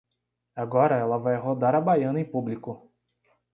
Agora ela vai rodar a baiana em público